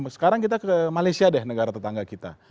sekarang kita ke malaysia deh negara tetangga kita